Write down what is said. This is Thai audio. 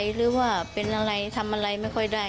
หรือว่าเป็นอะไรทำอะไรไม่ค่อยได้